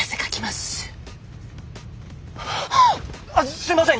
すいません！